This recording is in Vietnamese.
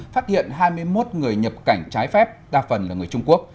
phát hiện hai mươi một người nhập cảnh trái phép đa phần là người trung quốc